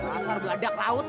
asal gadak laut